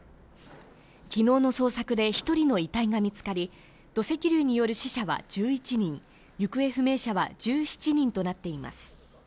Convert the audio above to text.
昨日の捜索で１人の遺体が見つかり、土石流による死者は１１人、行方不明者は１７人となっています。